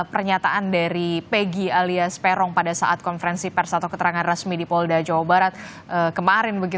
pernyataan dari pegi alias peron pada saat konferensi pers atau keterangan resmi di polda jawa barat kemarin